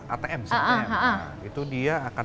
atm itu dia akan